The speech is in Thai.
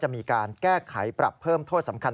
มีการแก้ไขปรับเพิ่มโทษสำคัญ